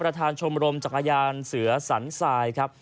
ประธานชมรมจักรยานเสือสันสายครับ